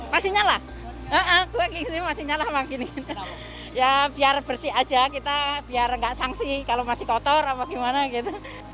masih nyala iya gue masih nyala ya biar bersih aja kita biar nggak sanksi kalau masih kotor apa gimana gitu